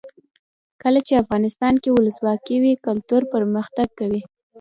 کله چې افغانستان کې ولسواکي وي کلتور پرمختګ کوي.